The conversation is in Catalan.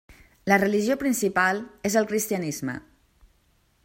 La religió principal és el cristianisme.